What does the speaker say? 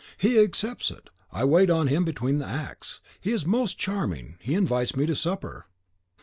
He accepts it, I wait on him between the acts; he is most charming; he invites me to supper.